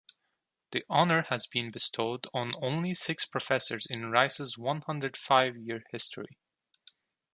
The honor has been bestowed on only six professors in Rice's one-hundred-five-year history.